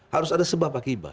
harus ada sebab akibat